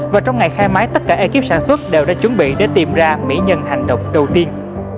và trong ngày khai máy tất cả ekip sản xuất đều đã chuẩn bị để tìm ra mỹ nhân hành động đầu tiên